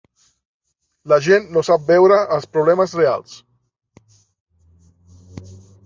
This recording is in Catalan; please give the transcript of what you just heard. La gent no sap veure els problemes reals.